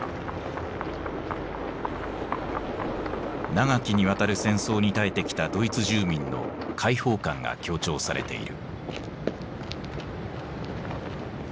長きにわたる戦争に耐えてきたドイツ住民の解放感が強調されている。